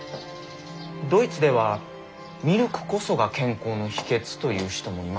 ドイツではミルクこそが健康の秘訣と言う人もいます。